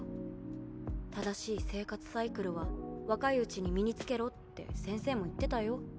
正しい生活サイクルは若いうちに身に付けろって先生も言ってたよ。